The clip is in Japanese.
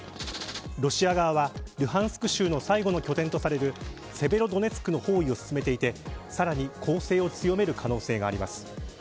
ロシア側はルハンスク州の最後の拠点とされるセベロドネツクの包囲を進めていてさらに攻勢を強める可能性があります。